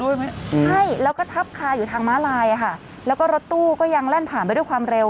ใช่แล้วก็ทับคาอยู่ทางม้าลายอ่ะค่ะแล้วก็รถตู้ก็ยังแล่นผ่านไปด้วยความเร็ว